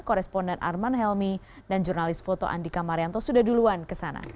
koresponden arman helmi dan jurnalis foto andika marianto sudah duluan kesana